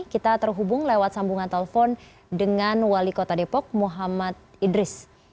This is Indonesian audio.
kita terhubung lewat sambungan telepon dengan wali kota depok muhammad idris